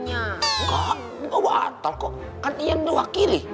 enggak enggak batal kok kan iyan dua kiri